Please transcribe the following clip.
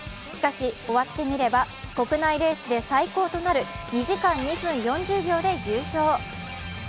しかし終わってみれば国内レースで最高となる２時間２分４０秒で優勝。